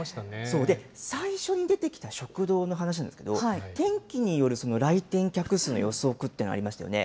最初に出てきた食堂の話なんですけれども、天気による来店客数の予測っていうのがありましたよね。